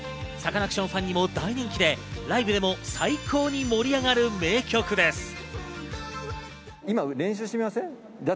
サカナクションファンにも大人気でライブでも最高に盛り上がる名曲です。